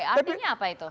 artinya apa itu